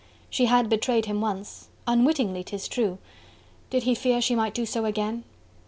She had betrayed him once! unwittingly 'tis true! did he fear she might do so again?